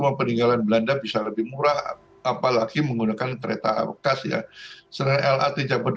mempengaruhi belanda bisa lebih murah apalagi menggunakan kereta aksesnya